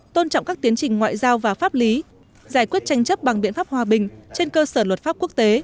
tôn trọng các tiến trình ngoại giao và pháp lý giải quyết tranh chấp bằng biện pháp hòa bình trên cơ sở luật pháp quốc tế